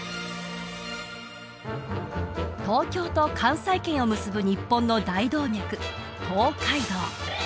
東京と関西圏を結ぶ日本の大動脈東海道